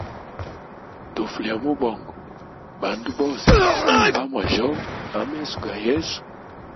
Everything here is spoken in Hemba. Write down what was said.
Tufu lya mubongo bandu bose ba mwajyomba a meso ga yesu.